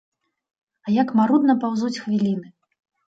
А як марудна паўзуць хвіліны.